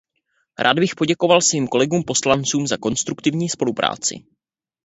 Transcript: Rád bych poděkoval svým kolegům poslancům za konstruktivní spolupráci.